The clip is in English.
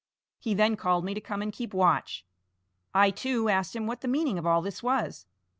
He then called me to come and keep watch. I, too, asked him what the meaning of all this was.